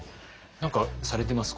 何かされてます？